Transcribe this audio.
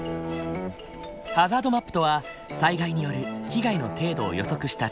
ハザードマップとは災害による被害の程度を予測した地図の事。